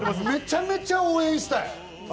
めちゃめちゃ応援したい。